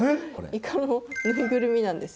イカのぬいぐるみなんです。